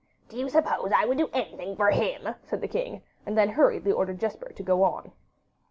'Do you suppose I would do anything for HIM?' said the king, and then hurriedly ordered Jesper to go on.